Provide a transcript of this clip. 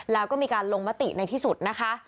แล้วก็มีการลงมติในที่สุดนะคะ